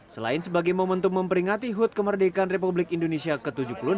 selain sebagai momentum memperingati hut kemerdekaan republik indonesia ke tujuh puluh enam